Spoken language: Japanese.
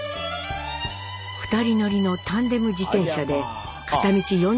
２人乗りのタンデム自転車で片道４０キロ以上の道のり。